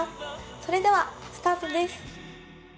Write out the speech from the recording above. それではスタートです。